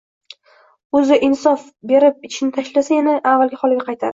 O'zi insof berib ichishni tashlasa, yana avvalgi holiga qaytar